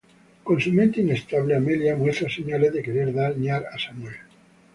Con su mente inestable, Amelia muestra señales de querer dañar a Samuel.